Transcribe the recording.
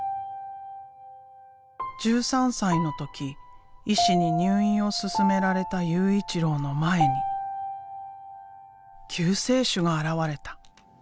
１３歳の時医師に入院を勧められた悠一郎の前に救世主が現れた。